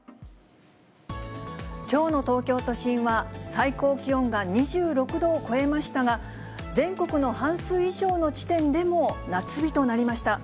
きょうの東京都心は、最高気温が２６度を超えましたが、全国の半数以上の地点でも夏日となりました。